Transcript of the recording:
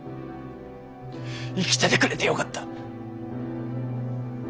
生きててくれてよかった。